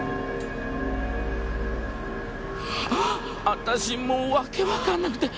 私もう訳わかんなくて。